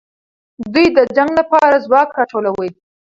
دوی د جنګ لپاره ځواک راټولوي.